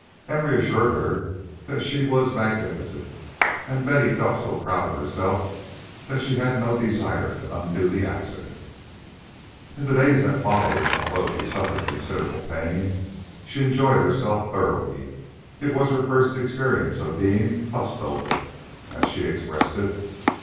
Emory assured her that she was magnificent, and Betty felt so proud of herself that she had no desire to undo the accident. In the days that followed, although she suffered considerable pain, she enjoyed herself thoroughly. It was her first experience of being "fussed over," as she expressed it.